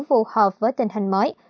phù hợp với tình hình mới